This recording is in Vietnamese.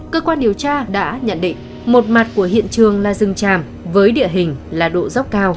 cơ quan điều tra đã nhận định một mặt của hiện trường là rừng tràm với địa hình là độ dốc cao